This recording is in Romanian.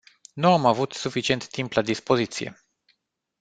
Nu am avut suficient timp la dispoziție.